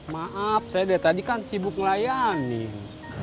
maaf saya dari tadi kan sibuk ngelayanin